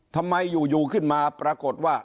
ทำไมอยู่ขึ้นมาปรากฏว่า